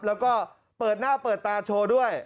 แล้วก็เปิดหน้าเปิดตาโชว์ด้วย